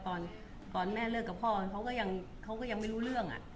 ตอนแม่เริ่มกับพ่อเขาก็ยังไม่รู้เรื่อง